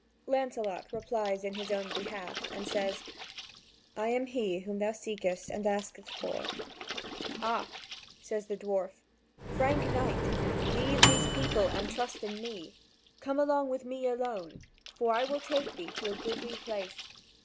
Lancelot replies in his own behalf, and says: "I am he whom thou seekest and askest for." "Ah," says the dwarf, "frank knight, leave these people, and trust in me. Come along with me alone, for I will take thee to a goodly place.